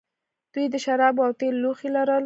دوی د شرابو او تیلو لوښي لرل